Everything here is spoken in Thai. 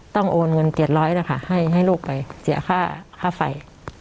ต้องโอนเงินเจ็ดร้อยนะค่ะให้ให้ลูกไปเสียค่าค่าไฟ